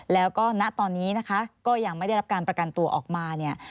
แล้วก็ณตอนนี้นะคะก็ยังไม่ได้รับการประกันตัวออกมาเนี่ย